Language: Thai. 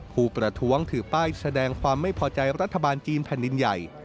ผู้ประท้วงถือป้ายแสดงความไม่พอใจรัฐบาลจีนแผ่นดินใหญ่